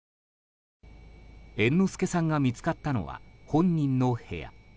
猿之助さんが見つかったのは本人の部屋。